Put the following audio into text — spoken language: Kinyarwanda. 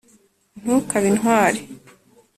ntukabe intwari